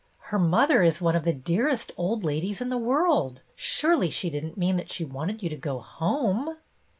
Her mother is one of the dearest old ladies in the world. Surely she did n't mean that she wanted you to go home."